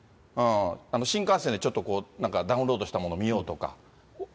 新幹線でちょっとなんか、ダウンロードしたものを見ようとか。